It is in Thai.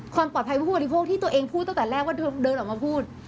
ความปลอดภัยผู้บริโภคที่ตัวเองพูดตั้งแต่แรกว่าเธอเดินออกมาพูด